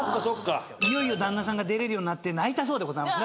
いよいよ旦那さんが出れるようになって泣いたそうです